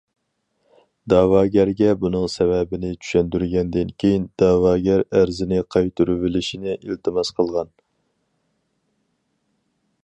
دەۋاگەرگە بۇنىڭ سەۋەبىنى چۈشەندۈرگەندىن كېيىن، دەۋاگەر ئەرزىنى قايتۇرۇۋېلىشنى ئىلتىماس قىلغان.